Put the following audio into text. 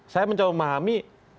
saya mencoba memahami